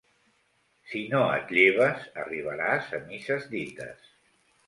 Si no et lleves, arribaràs a misses dites.